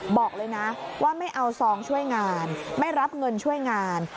บอกเลยนะว่าไม่เอาซองช่วยงานไม่รับเงินช่วยงาน